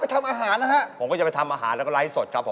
ทันทริปครับทันทริป